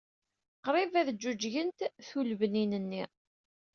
Qrib ad jjujjgent tulebnin-nni.